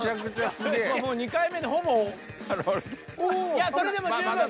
いやそれでも十分。